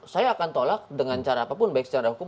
saya akan tolak dengan cara apapun baik secara hukum